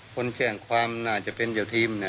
คนแจ้งความน่าจะเป็นเจ้าทีม